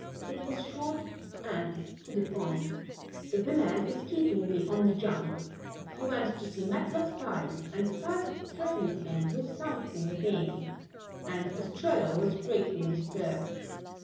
It was short and to the point: "The man is keeping me on the jump. He went to see Matlock Styles and Styles threatened him with something again and Ostrello was greatly disturbed.